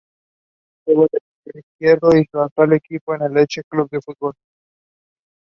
Juega de extremo izquierdo y su actual equipo es el Elche Club de Fútbol.